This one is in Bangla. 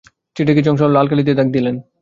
চিঠির কিছু অংশ লাল কালি দিয়ে দাগ দিলেন।